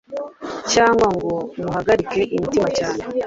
cyangwa ngo muhagarike imitima cyane,